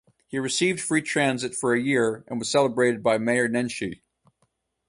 He received free transit for a year and was celebrated by mayor Nenshi.